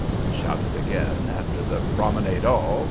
he shouted again, after the "Promenade all!"